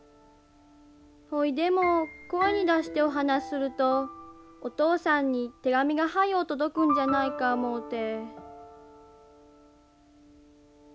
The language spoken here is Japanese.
ほいでも声に出してお話しするとお父さんに手紙が早う届くんじゃないか思うて。